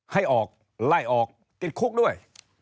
ให้ออกไล่ออกติดคุกด้วย